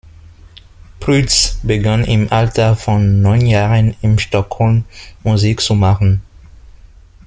Prydz begann im Alter von neun Jahren in Stockholm Musik zu machen.